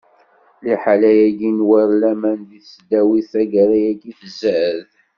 Liḥala-agi n war laman di tesdawit taggara-agi, tzad.